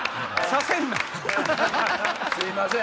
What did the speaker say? すいません